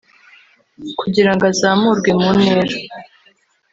kugira ngo azamurwe mu ntera